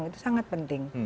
itu sangat penting